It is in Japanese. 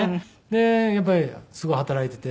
でやっぱりすごい働いていて。